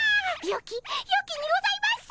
よきにございます！